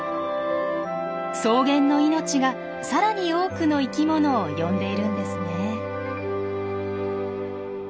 草原の命がさらに多くの生きものを呼んでいるんですね。